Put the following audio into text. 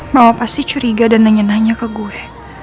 mama pasti curiga dan nanya nanya ke gue